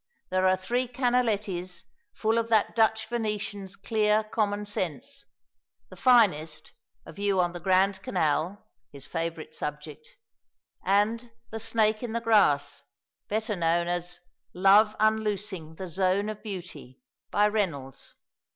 There are three Canalettis full of that Dutch Venetian's clear common sense; the finest, a view on the Grand Canal his favourite subject and "The Snake in the Grass," better known as "Love unloosing the Zone of Beauty," by Reynolds.